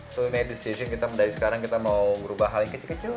so id decision kita dari sekarang kita mau berubah hal yang kecil kecil